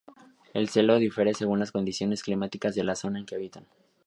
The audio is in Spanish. El celo difiere según las condiciones climáticas de la zona en que habitan.